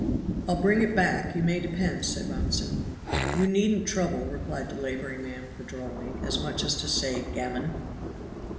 "I'll bring it back, you may depend," said Robinson. "You needn't trouble," replied the laboring man with a droll wink, as much as to say, "Gammon!"